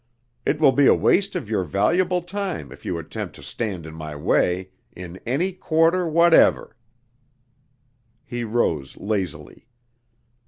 It will be a waste of your valuable time if you attempt to stand in my way, in any quarter whatever." He rose lazily.